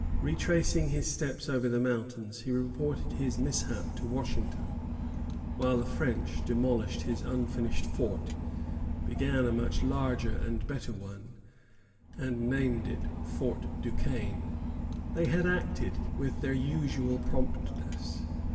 Retracing his steps over the mountains, he reported his mishap to Washington; while the French demolished his unfinished fort, began a much larger and better one, and named it Fort Duquesne. See the summons in Précis des Faits, 101. They had acted with their usual promptness.